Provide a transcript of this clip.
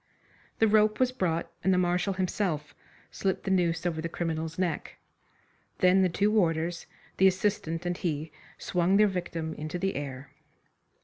The rope was brought, and the Marshal himself slipped the noose over the criminal's neck. Then the two warders, the assistant and he swung their victim into the air.